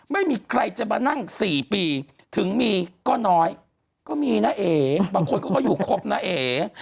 ไม่มีใครจะมานั่ง๔ปีถึงมีก็น้อยก็มีนะเอ๋บางคนเขาก็อยู่ครบนะเอ๋